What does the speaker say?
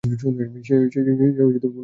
সে ভুল করে ফেলেছে, স্যার।